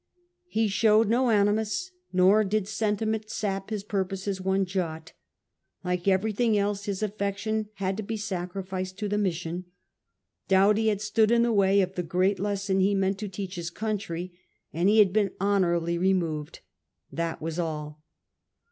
He showed no animus, nor did sentiment sap his purpose one jot. Like everything else, his affection had to be sacrificed to the mission. Doughty had stood in the way of the great lesson he meant to teach his country, and he had been honourably removed. That was all.